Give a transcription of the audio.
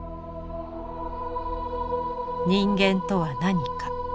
人間とは何か？